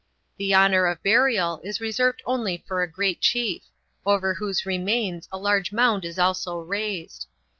The honour of burial is reserved only for a great chief, over whose remains a large mound is also raised.